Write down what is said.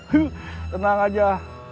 he tenang aja